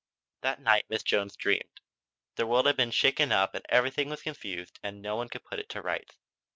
That night Miss Jones dreamed. The world had been all shaken up and everything was confused and no one could put it to rights.